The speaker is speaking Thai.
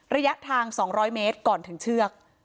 ระยะทาง๒๐๐เมตรก่อนถึงเชือก